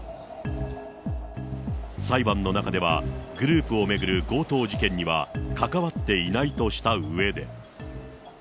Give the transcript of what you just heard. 裁判の中では、グループを巡る強盗事件には関わっていないとしたうえで。